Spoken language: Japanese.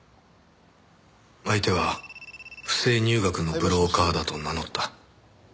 相手は不正入学のブローカーだと名乗った。